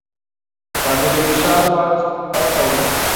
پر امیر یې فشار اچاوه.